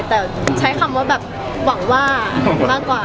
แต่ใช้คำว่าแบบหวังว่ามากกว่า